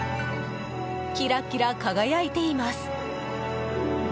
キラキラ輝いています。